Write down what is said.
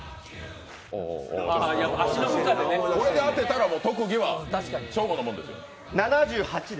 これで当てたら特技はショーゴのもんですよ。